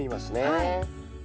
はい。